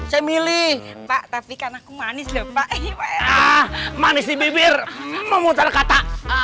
saya milih pak tapi karena aku manis lho pak manis di bibir memutar kata